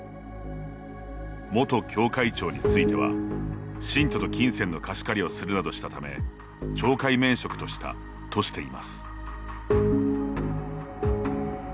元教会長については「信徒と金銭の貸し借りをするなどしたため懲戒免職とした」としています。